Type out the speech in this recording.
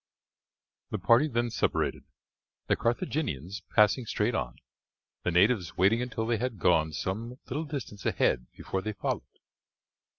The party then separated, the Carthaginians passing straight on, the natives waiting until they had gone some little distance ahead before they followed.